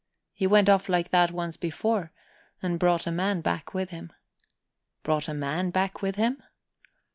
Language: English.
He went off like that once before, and brought a man back with him." "Brought a man back with him?"